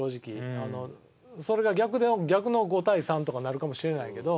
それが逆の５対３とかになるかもしれないけど。